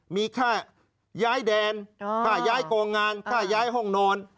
มีค่าย้ายแดนค่าย้ายกองงานค่าย้ายห้องนอน